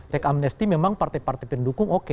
tech amnesty memang partai partai pendukung oke